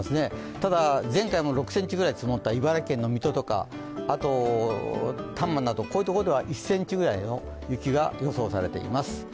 ただ、前回も６ｃｍぐらい積もった茨城県の水戸とかあと多摩など、こういうところでは１ｃｍぐらいの雪が予想されています。